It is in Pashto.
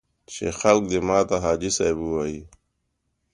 چې خلک دې ماته حاجي صاحب ووایي.